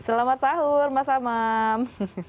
selamat sahur mas amam